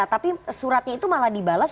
tapi suratnya itu malah dibalas